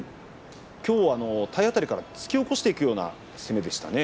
きょうは体当たりから突き起こしていくような攻めでしたね